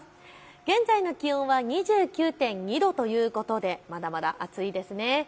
現在の気温は２９．２度ということでまだまだ暑いですね。